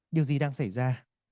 điều gì đang xảy ra